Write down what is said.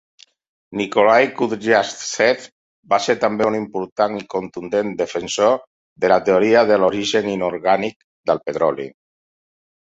Nikolai Kudryavtsev va ser també un important i contundent defensor de la teoria de l'origen inorgànic del petroli.